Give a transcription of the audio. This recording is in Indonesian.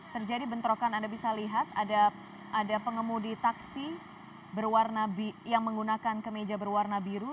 terjadi bentrokan anda bisa lihat ada pengemudi taksi yang menggunakan kemeja berwarna biru